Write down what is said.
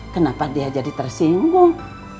kenapa dia jadi tersinggung